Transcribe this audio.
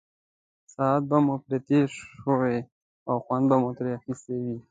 ساعت به مو پرې تېر شوی او خوند به مو ترې اخیستی وي.